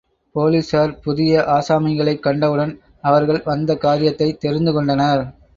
போலிசார் புதிய ஆசாமிகளைக் கண்டவுடன் அவர்கள் வந்த காரியத்தைத் தெரிந்து கொண்டனர்.